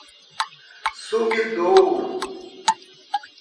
Sumidouro